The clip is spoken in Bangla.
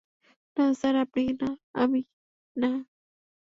না স্যার আপনি না, - আমি না।